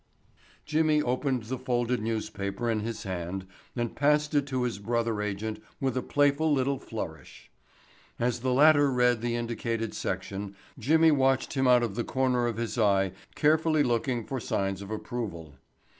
Jimmy opened the folded newspaper in his hand and passed it to his brother agent with a playful little flourish. As the latter read the indicated section Jimmy watched him out of the corner of his eye carefully looking for signs of approval.